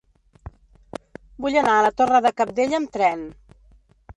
Vull anar a la Torre de Cabdella amb tren.